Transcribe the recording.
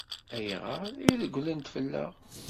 Ayɣer i regglent fell-aɣ?